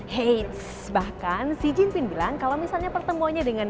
hei bahkan xi jinping bilang kalau misalnya pertemuannya dengan